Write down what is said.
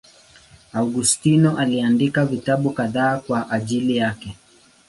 Augustino aliandika vitabu kadhaa kwa ajili yake.